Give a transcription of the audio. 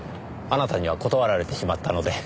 あなたには断られてしまったので。